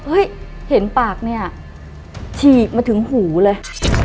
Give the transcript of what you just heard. เห็นปากเนี่ยฉีกมาถึงหูเลย